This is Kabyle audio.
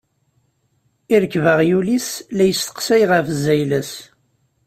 Irkeb aɣyul-is, la isteqsay ɣef zzayla-s.